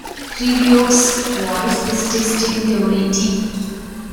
Grevioux's voice is distinctively deep.